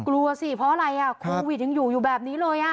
กลัวสิเพราะอะไรโควิดยังอยู่อยู่แบบนี้เลย